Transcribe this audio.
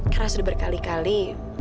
karena sudah berkali kali